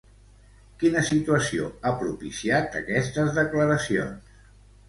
Quina situació ha propiciat aquestes declaracions?